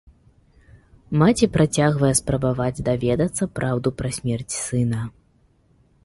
Маці працягвае спрабаваць даведацца праўду пра смерць сына.